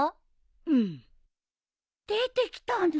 うん。出てきたんだ。